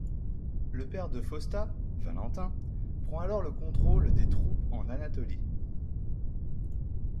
Le père de Fausta, Valentin, prend alors le contrôle des troupes en Anatolie.